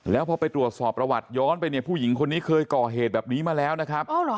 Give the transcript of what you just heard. แล้วพอไปตรวจสอบประวัติย้อนไปเนี่ยผู้หญิงคนนี้เคยก่อเหตุแบบนี้มาแล้วนะครับ